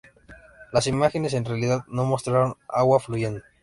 Las imágenes en realidad no mostraron agua fluyendo.